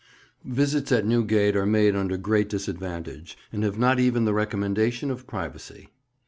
VISITS at Newgate are made under great disadvantage, and have not even the recommendation of privacy.